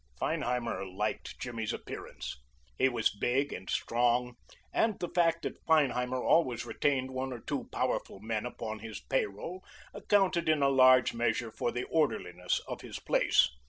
Feinheimer liked Jimmy's appearance. He was big and strong, and the fact that Feinheimer always retained one or two powerful men upon his payroll accounted in a large measure for the orderliness of his place.